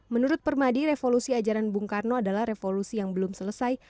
menurut permadi revolusi ajaran bung karno adalah revolusi yang belum selesai